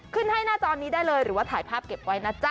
ขึ้นให้หน้าจอนี้ได้เลยหรือว่าถ่ายภาพเก็บไว้นะจ๊